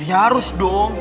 ya harus dong